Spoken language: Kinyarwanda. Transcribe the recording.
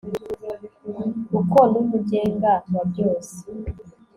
kuko numugenga wabyose